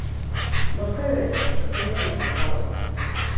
Vostedes seguen no pasado.